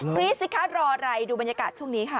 พรีชสิทธิ์ค้ารอไหลดูบรรยากาศช่วงนี้ค่ะ